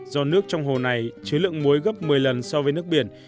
do nước trong hồ này chứa lượng muối gấp một mươi lần so với nước biển